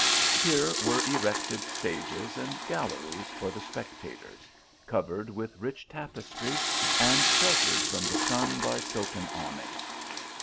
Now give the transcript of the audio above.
Here were erected stages and galleries for the spectators, cov ered with rich tapestry and sheltered from the sun by silken awnings.